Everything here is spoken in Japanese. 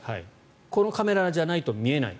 このカメラじゃないと見えない。